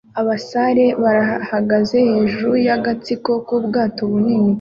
Abasare bahagaze hejuru y'agatsiko k'ubwato bunini